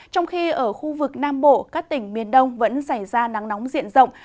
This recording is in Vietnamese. trong khi ở khu vực nam bộ các tỉnh miền đông vẫn xảy ra nắng nóng diện rộng